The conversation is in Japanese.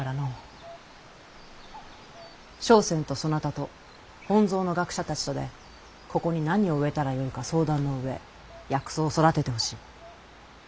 笙船とそなたと本草の学者たちとでここに何を植えたらよいか相談の上薬草を育ててほしい。